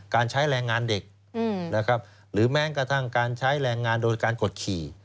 การใช้แรงงานเด็กนะครับหรือแม้กระทั่งการใช้แรงงานโดยการกดขี่